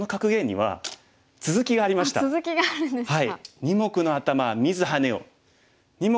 はい。